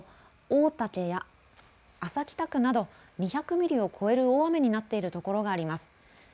広島県内でも大竹や安佐北区など２００ミリを超える大雨になっている所があります。